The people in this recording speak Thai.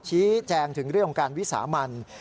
ชี้แจงถึงเรื่องของการวิสามัน